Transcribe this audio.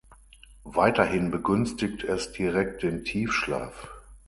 Weiterhin begünstigt es direkt den Tiefschlaf.